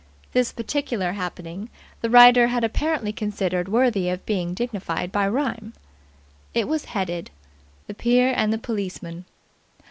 This particular happening the writer had apparently considered worthy of being dignified by rhyme. It was headed: "THE PEER AND THE POLICEMAN."